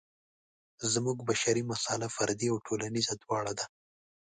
زموږ بشري مساله فردي او ټولنیزه دواړه ده.